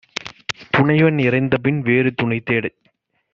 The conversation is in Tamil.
துணைவன் இறந்தபின் வேறு துணைதேடச்